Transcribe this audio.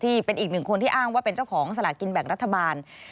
ที่เป็นอีกหนึ่งคนที่อ้างว่าเป็นเจ้าของสลักกินแบบรัฐบาล